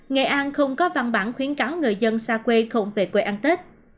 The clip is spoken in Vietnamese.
nghệ an không có văn bản khuyến cáo người dân xa quê không về quê ăn tết